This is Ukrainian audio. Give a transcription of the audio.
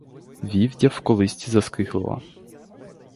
Вівдя в колисці заскиглила.